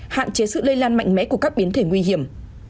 hạn chế sự lây lan mạnh mẽ của các biến thể nguy hiểm